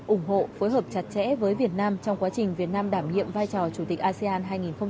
ủng hộ phối hợp chặt chẽ với việt nam trong quá trình việt nam đảm nhiệm vai trò chủ tịch asean hai nghìn hai mươi